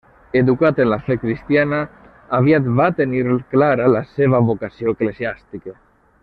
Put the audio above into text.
Educat en la fe cristiana, aviat va tenir clara la seva vocació eclesiàstica.